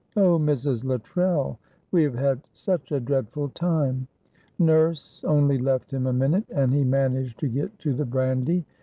"Oh, Mrs. Luttrell, we have had such a dreadful time. Nurse only left him a minute, and he managed to get to the brandy.